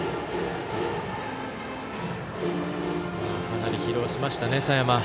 かなり疲労しましたね、佐山。